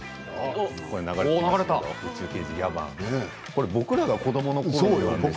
これ僕らが子どものころのね。